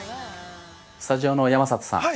スタジオの山里さん